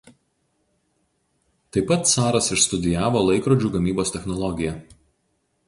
Taip pat caras išstudijavo laikrodžių gamybos technologiją.